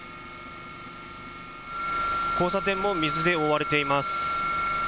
交差点も水で覆われています。